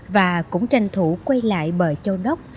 và cũng tranh thủ quay lại bờ châu đốc